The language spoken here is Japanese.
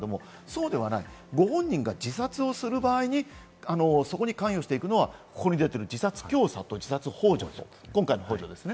そうではない、ご本人が自殺をする場合に、そこに関与していくのは、ここに出ている自殺教唆と自殺ほう助です。